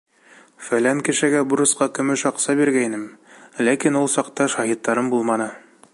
— Фәлән кешегә бурысҡа көмөш аҡса биргәйнем, ләкин ул саҡта шаһиттарым булманы.